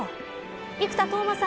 生田斗真さん